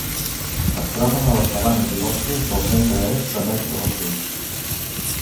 Es troba a les sabanes i boscos del centre-est d'Amèrica del Sud.